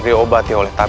saya tidak tahu